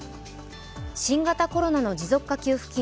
新型コロナの持続化給付金